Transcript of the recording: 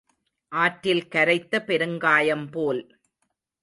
ஆற்றில் கரைத்த பெருங்காயம் போல்.